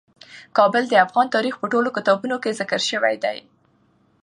کابل د افغان تاریخ په ټولو کتابونو کې ذکر شوی دی.